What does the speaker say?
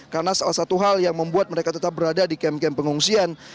karena salah satu hal yang membuat mereka tetap berada di kem kem pengungsian